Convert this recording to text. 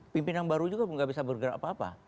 pimpinan baru juga nggak bisa bergerak apa apa